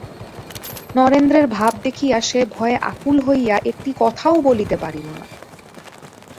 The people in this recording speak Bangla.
নরেন্দ্রের ভাব দেখিয়া সে ভয়ে আকুল হইয়া একটি কথাও বলিতে পারিল না।